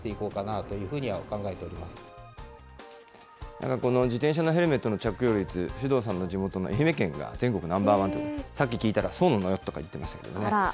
なんかこの自転車のヘルメットの着用率、首藤さんの地元の愛媛県が全国ナンバーワンということで、さっき聞いたらそうなのよとか言ってましたけれどもね。